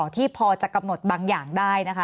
ที่พอจะกำหนดบางอย่างได้นะคะ